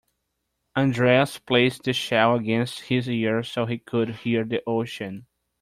Andreas placed the shell against his ear so he could hear the ocean.